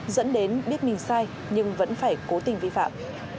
dẫn đến biết mình sai nhưng vẫn phải cố tình vi phạm